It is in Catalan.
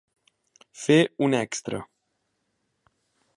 Fer un extra.